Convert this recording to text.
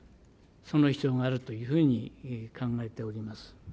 その必要があるというふうに考えております。